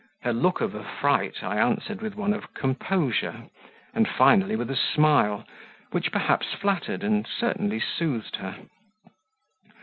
Her look of affright I answered with one of composure, and finally with a smile, which perhaps flattered, and certainly soothed her.